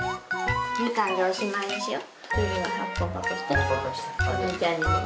みかんでおしまいにしよう。